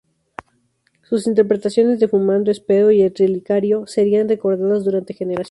Sus interpretaciones de "Fumando espero" y "El relicario" serían recordadas durante generaciones.